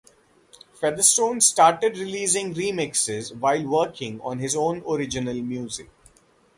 Featherstone started releasing remixes while working on his own original music.